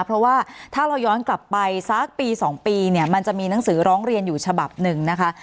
เพราะว่าถ้าเราย้อนกลับไปสักปี๒ปีเนี่ยมันจะมีหนังสือร้องเรียนอยู่ฉบับหนึ่งนะคะ